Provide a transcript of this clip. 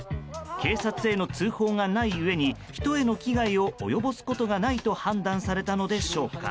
警察への通報がないうえに人への危害を及ぼすことがないと判断されたのでしょうか